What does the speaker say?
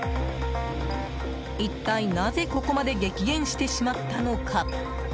一体なぜここまで激減してしまったのか。